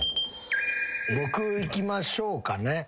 僕いきましょうかね。